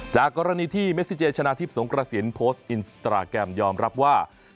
จากกรณีที่เมซิเจชนะทิพย์สงกระสินโพสต์อินสตราแกรมยอมรับว่า